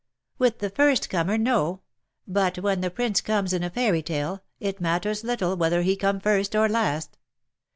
" With the first comer no ! But when the Prince comes in a fairy tale, it matters little whether he come first or last.